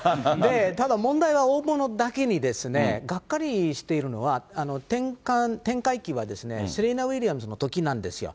ただ、問題は大物だけに、がっかりしているのは、転換期は、セリーナ・ウィリアムズのときなんですよ。